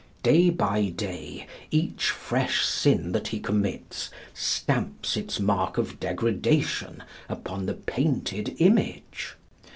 Day by day, each fresh sin that he commits stamps its mark of degradation upon the painted image.